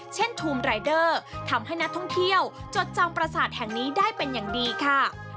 ทูมรายเดอร์ทำให้นักท่องเที่ยวจดจำประสาทแห่งนี้ได้เป็นอย่างดีค่ะ